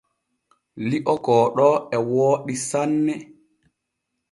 Li’o kooɗo e wooɗi sanne.